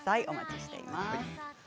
お待ちしています。